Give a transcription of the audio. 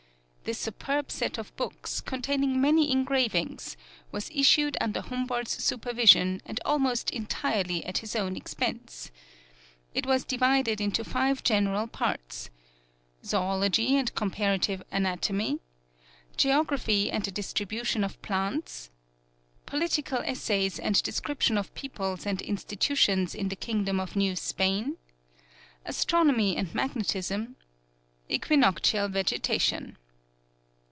This superb set of books, containing many engravings, was issued under Humboldt's supervision and almost entirely at his own expense. It was divided into five general parts: Zoology and Comparative Anatomy; Geography and the Distribution of Plants; Political Essays and Description of Peoples and Institutions in the Kingdom of New Spain; Astronomy and Magnetism; Equinoctial Vegetation.